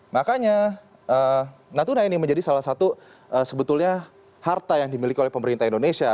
makanya natuna ini menjadi salah satu sebetulnya harta yang dimiliki oleh pemerintah indonesia